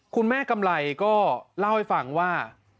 คุณแม่กำไรก็เล่าให้ฟังว่า